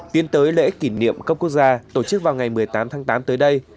tiến tới lễ kỷ niệm cấp quốc gia tổ chức vào ngày một mươi tám tháng tám tới đây